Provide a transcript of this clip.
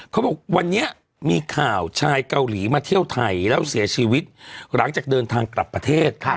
เขาบอกวันนี้มีข่าวชายเกาหลีมาเที่ยวไทยแล้วเสียชีวิตหลังจากเดินทางกลับประเทศ